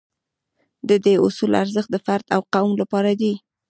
د دې اصول ارزښت د فرد او قوم لپاره دی.